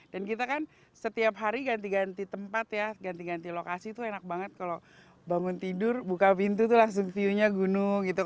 dan kita kan setiap hari ganti ganti tempat ya ganti ganti lokasi tuh enak banget kalau bangun tidur buka pintu tuh langsung view nya gunung gitu kan